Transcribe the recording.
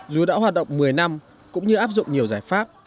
dù đã hoạt động một mươi năm cũng như áp dụng nhiều giải pháp